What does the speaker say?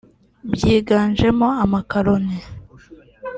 byiganjemo amakaroni